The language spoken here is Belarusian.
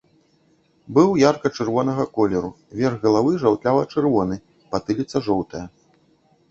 Быў ярка-чырвонага колеру, верх галавы жаўтлява-чырвоны, патыліца жоўтая.